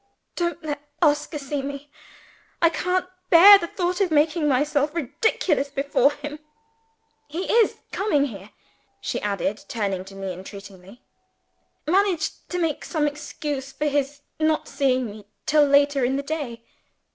"Don't let Oscar see me! I can't bear the thought of making myself ridiculous before him! He is coming here," she added, turning to me entreatingly. "Manage to make some excuse for his not seeing me till later in the day."